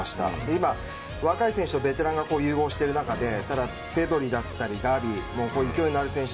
今、若い選手とベテランが融合している中でペドリだったりガヴィ、勢いのある選手